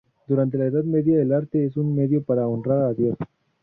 Durante la Edad Media el arte es un medio para honrar a Dios.